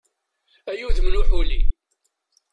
Ay udem n uḥuli!